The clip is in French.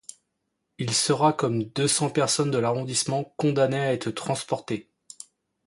Il sera, comme deux cents personnes de l'arrondissement, condamné à être transporté.